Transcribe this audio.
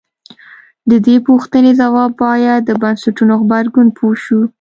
د دې پوښتنې ځواب باید د بنسټونو غبرګون پوه شو.